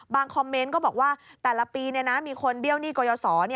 คอมเมนต์ก็บอกว่าแต่ละปีมีคนเบี้ยวหนี้กรยศ